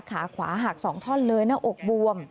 ขาขวาหัก๒ท่อนเลยหน้าอกบวม